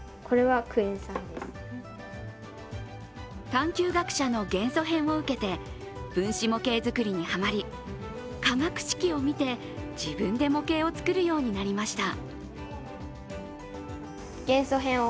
探求学舎の元素編を受けて、分子模型作りにハマり、化学式を見て、自分で模型を作るようになりました。